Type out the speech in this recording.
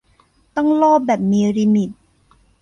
ต้องโลภแบบมีลิมิต